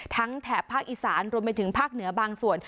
แถบภาคอีสานรวมไปถึงภาคเหนือบางส่วน